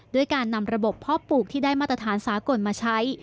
ด้วยการนำระบบพ่อปลูกที่ได้มาตรฐานสากลมาใช้